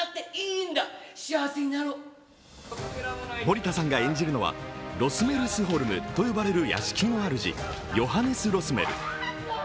森田さんが演じるのは、ロスメルスホルムと呼ばれる屋敷のあるじ、ヨハネス・ロスメル。